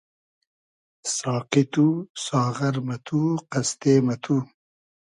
ساقی تو , ساغر مہ تو , قئستې مہ تو